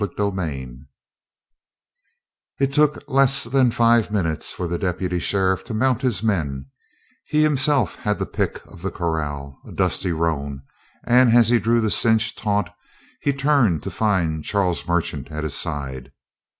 CHAPTER 8 It took less than five minutes for the deputy sheriff to mount his men; he himself had the pick of the corral, a dusty roan, and, as he drew the cinch taut, he turned to find Charles Merchant at his side.